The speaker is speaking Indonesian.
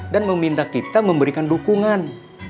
dan meminta kita memberikan dukungan